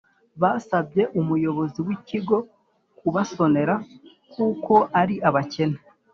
Basabye umuyobozi w ikigo kubasonera kuko ari abakene